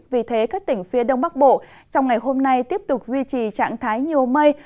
vì thế các tỉnh phía đông bắc bộ trong ngày hôm nay tiếp tục duy trì trạng thái nhiều mây